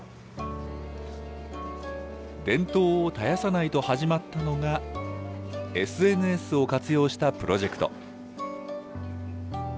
伝統を絶やさないと、始まったのがＳＮＳを活用したプロジェクト。